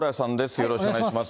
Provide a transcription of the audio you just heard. よろしくお願いします。